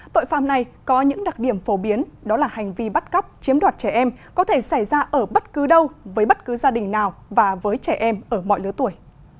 tội phạm này có những đặc điểm phổ biến đó là hành vi bắt cóc chiếm đoạt trẻ em có thể xảy ra ở bất cứ đâu với bất cứ gia đình nào và với trẻ em ở mọi lứa tuổi